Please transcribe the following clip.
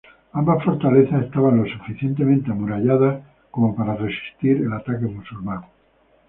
Ambas fortalezas estaban lo suficientemente amuralladas como para resistir el ataque musulmán.